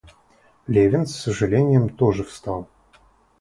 Левин с сожалением тоже встал.